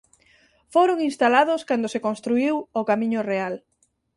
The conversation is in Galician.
Foron instalados cando se construíu o camiño real.